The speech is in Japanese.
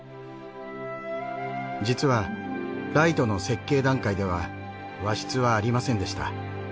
実はライトの設計段階では和室はありませんでした。